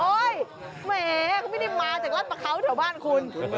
โอ้ยเหม่คุณไม่ได้มาจากราชประเขาแถวบ้านคุณ